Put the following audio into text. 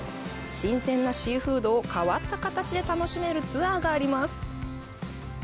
新鮮なシーフードを変わった形で楽しめるツアーがあります。